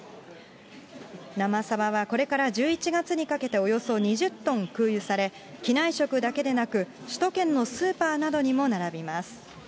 生サバはこれから１１月にかけて、およそ２０トン空輸され、機内食だけでなく、首都圏のスーパーなどにも並びます。